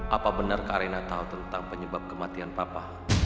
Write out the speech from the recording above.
apa benar kak raina tau tentang penyebab kematian papa